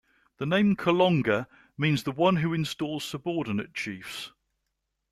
The name Kalonga means the one who installs subordinate chiefs.